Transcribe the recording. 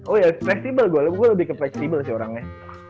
oh iya gue lebih ke fleksibel sih orangnya